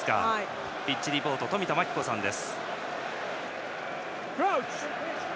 ピッチリポートは冨田真紀子さんです。